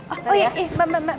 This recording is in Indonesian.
oh iya mbak mbak mbak